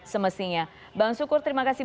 semestinya bang sukur terima kasih